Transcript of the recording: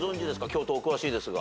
京都お詳しいですが。